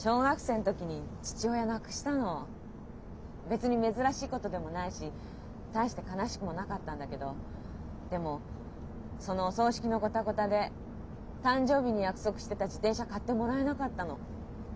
別に珍しいことでもないし大して悲しくもなかったんだけどでもそのお葬式のゴタゴタで誕生日に約束してた自転車買ってもらえなかったの。